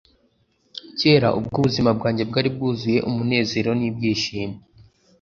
kera ubwo ubuzima bwanjye bwari bwuzuye umunezero n'ibyishimo